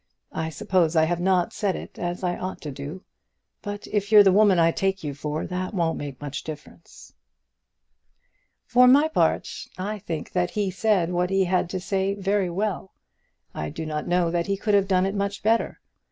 I suppose I have not said it as I ought to do, but if you're the woman I take you for that won't make much difference." For my part I think that he said what he had to say very well. I do not know that he could have done it much better.